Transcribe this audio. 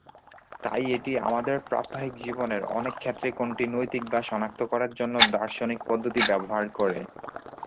তাই এটি আমাদের প্রাত্যহিক জীবনের অনেক ক্ষেত্রে কোনটি নৈতিক তা শনাক্ত করার জন্য দার্শনিক পদ্ধতি ব্যবহার করে।